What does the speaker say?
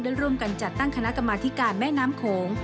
ร่วมกันจัดตั้งคณะกรรมธิการแม่น้ำโขง